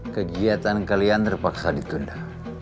kegiatan kalian terpaksa ditunda